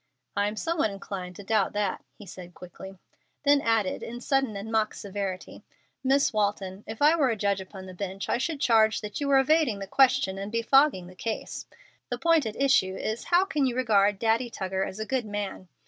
"I am somewhat inclined to doubt that," he said, quickly; then added, in sudden and mock severity, "Miss Walton, if I were a judge upon the bench I should charge that you were evading the question and befogging the case. The point at issue is, How can you regard Daddy Tuggar as a good man?